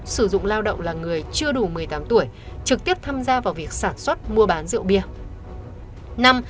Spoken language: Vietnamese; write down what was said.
sử dụng lao động là người chưa đủ một mươi tám tuổi trực tiếp tham gia vào việc sản xuất mua bán rượu bia